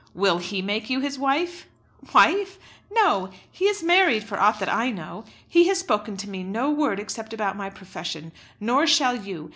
"Will he make you his wife?" "Wife! No. He is married for aught that I know. He has spoken to me no word except about my profession. Nor shall you.